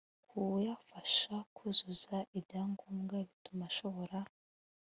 kuyafasha kuzuza ibyangombwa bituma ashobora